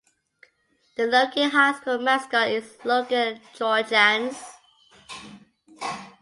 The Logan High School mascot is Logan Trojans.